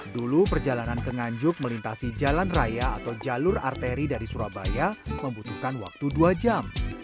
dulu perjalanan ke nganjuk melintasi jalan raya atau jalur arteri dari surabaya membutuhkan waktu dua jam